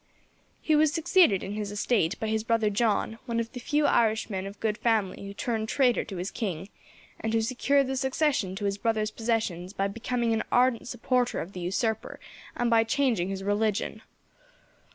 He was succeeded in his estate by his brother John, one of the few Irishmen of good family who turned traitor to his king, and who secured the succession to his brother's possessions by becoming an ardent supporter of the usurper, and by changing his religion.